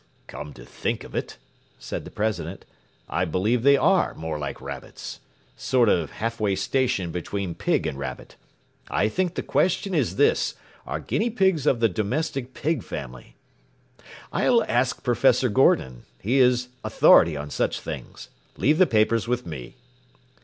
” “Come to think of it,” said the president, “I believe they are more like rabbits. Sort of half way station between pig and rabbit. I think the question is this are guinea pigs of the domestic pig family? I'll ask professor Gordon. He is authority on such things. Leave the papers with me.